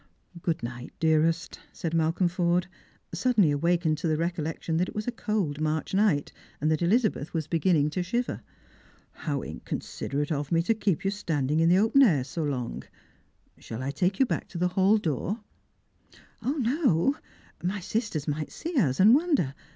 " Good night, dearest !" said Malcolm Forde, suddenly awakened to the recollection that it was a cold March night, and that Elizabeth was beginning to shiver. *' How inconsiderate of me to keep you standing in the open air so long. Shall I take you back to the hall door ?"" O, no ; my sisters might see us, and wonder.